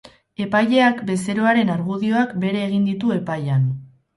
Epaileak bezeroaren argudioak bere egin ditu, epaian.